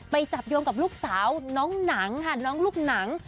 ไปจับโยงกับลูกสาวน้องหนังค่ะน้องลูกหนัง